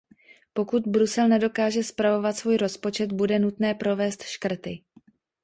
Pokud Brusel nedokáže spravovat svůj rozpočet, bude nutné provést škrty.